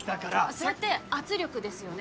それって圧力ですよね？